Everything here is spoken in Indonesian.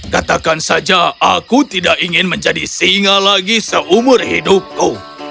katakan saja aku tidak ingin menjadi singa lagi seumur hidupku